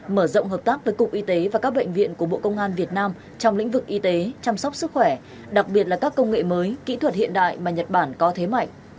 mở rộng hợp tác với cục y tế và các bệnh viện của bộ công an việt nam trong lĩnh vực y tế chăm sóc sức khỏe đặc biệt là các công nghệ mới kỹ thuật hiện đại mà nhật bản có thế mạnh